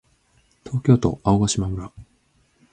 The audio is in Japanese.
東京都青ヶ島村